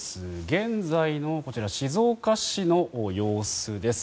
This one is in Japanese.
現在の静岡市の様子です。